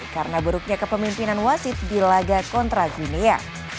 karena buruknya kepemimpinan wasit di laga kontra gunea